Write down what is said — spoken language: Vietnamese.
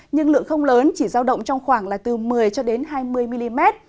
nhưng lượng không lớn chỉ giao động trong khoảng từ một mươi hai mươi mm